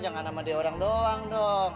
jangan sama dia orang doang dong